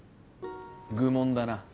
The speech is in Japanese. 愚問だな。